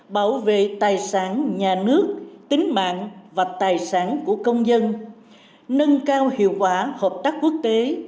bảo vệ tài sản nhà nước tính mạng và tài sản của công dân nâng cao hiệu quả hợp tác quốc tế